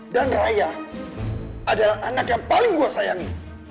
dan raya adalah anak yang paling gue sayangi